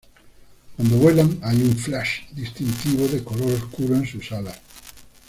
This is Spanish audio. Cuando vuelan, hay un flash distintivo de color oscuro en sus alas.